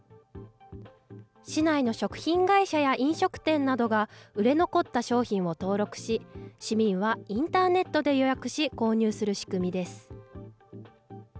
市内の食品会社や飲食店などが、売れ残った商品を登録し、市民はインターネットで予約し、購入する仕組みです。